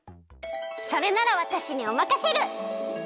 それならわたしにおまかシェル！